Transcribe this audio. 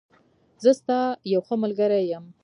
زه ستا یوښه ملګری یم.